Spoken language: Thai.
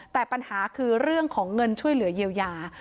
แต่ปัญหาคือเรื่องของเงินช่วยเหลือเยียวยา